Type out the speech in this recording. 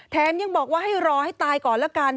แถมยังบอกว่าให้รอให้ตายก่อนละกัน